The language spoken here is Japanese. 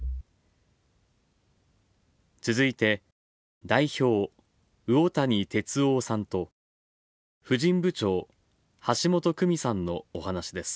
続いて、代表魚谷哲央さんと、婦人部長橋本久美さんのお話です。